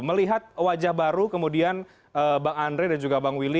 melihat wajah baru kemudian bang andre dan juga bang willy